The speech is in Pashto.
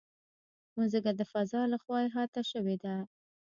مځکه د فضا له خوا احاطه شوې ده.